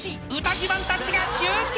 自慢たちが集結］